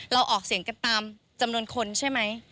ออกเสียงกันตามจำนวนคนใช่ไหม